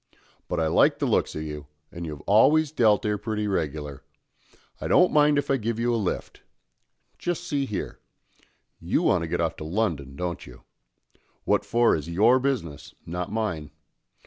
But I like the looks of you, and you've always dealt 'ere pretty regular. I don't mind if I give you a lift. Just see here. You want to get off to London, don't you? What for is your business, not mine.